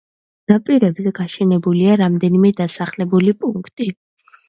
ნაპირებზე გაშენებულია რამდენიმე დასახლებული პუნქტი.